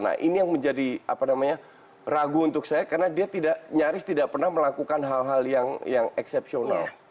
nah ini yang menjadi ragu untuk saya karena dia tidak nyaris tidak pernah melakukan hal hal yang eksepsional